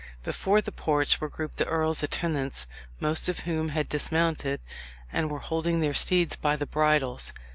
Before the porch were grouped the earl's attendants, most of whom had dismounted, and were holding their steeds by the bridles.